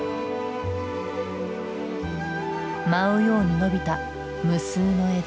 舞うように伸びた無数の枝。